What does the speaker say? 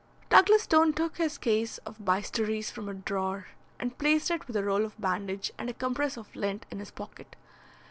Douglas Stone took his case of bistouries from a drawer, and placed it with a roll of bandage and a compress of lint in his pocket.